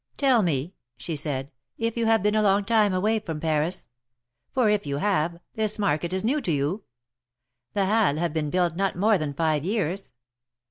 ^^Tell me," she said, you have been a long time away from Paris ? For, if you have, this market is new to you. The Halles have been built not more than five years.